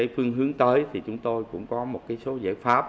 phương hướng tới thì chúng tôi cũng có một số giải pháp